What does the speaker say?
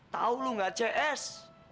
tau lu ga cs